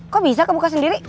kok bisa kebuka sendiri